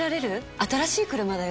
新しい車だよ。